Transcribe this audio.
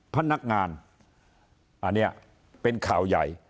พนักงานอันนี้เป็นข่าวใหญ่